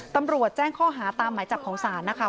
ตำรวจแจ้งข้อหาตามหมายจับของศาลนะคะ